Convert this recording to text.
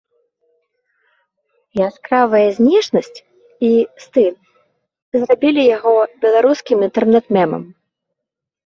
Яскравая знешнасць і стыль зрабілі яго беларускім інтэрнэт-мемам.